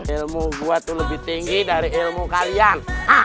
ilmu gue tuh lebih tinggi dari ilmu kalian